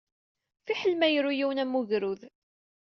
Fiḥel ma iru yiwen am ugrud.